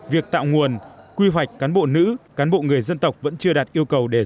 việc tạo nguồn quy hoạch cán bộ nữ cán bộ người dân tộc vẫn chưa đạt yêu cầu đề ra